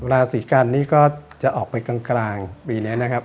ราศีกันนี่ก็จะออกไปกลางปีนี้นะครับ